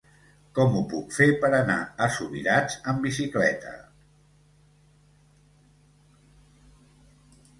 Com ho puc fer per anar a Subirats amb bicicleta?